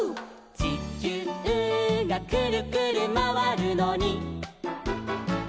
「ちきゅうがくるくるまわるのに」